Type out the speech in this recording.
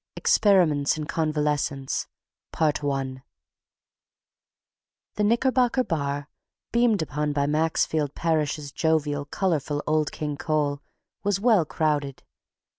Experiments in Convalescence The Knickerbocker Bar, beamed upon by Maxfield Parrish's jovial, colorful "Old King Cole," was well crowded.